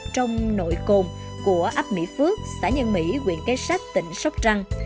trong nội cồn của ấp mỹ phước xã nhân mỹ quyện cây sách tỉnh sóc trăng